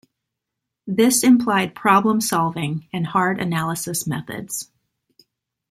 This implied problem-solving, and hard-analysis methods.